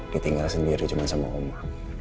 ditinggal sendiri cuma sama omah